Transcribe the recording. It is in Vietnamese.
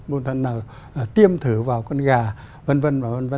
bộ phận nào tiêm thử vào con gà v v